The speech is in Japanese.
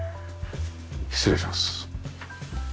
失礼します。